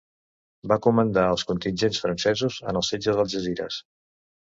Va comandar els contingents francesos en el setge d'Algesires.